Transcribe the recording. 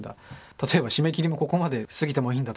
例えば締め切りもここまで過ぎてもいいんだとか